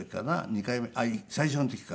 ２回目最初の時か。